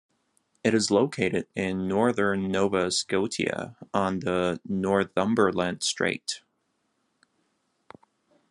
It is located in northern Nova Scotia on the Northumberland Strait.